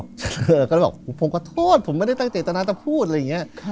เธอก็เลยบอกผมขอโทษผมไม่ได้ตั้งเจตนาจะพูดอะไรอย่างนี้